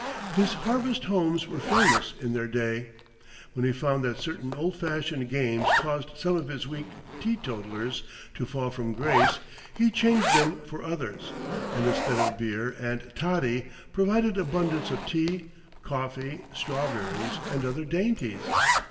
His harvest homes were famous in their day. When he found that certain old fashioned games caused some of his weak teetotalers to fall from grace, he changed them for others; and, instead of beer and toddy, provided abundance of tea, coffee, strawberries, and other dainties.